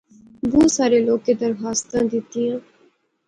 بہوں سارے لوکیں درخواستاں دیتیاں